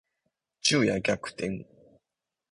昼夜逆転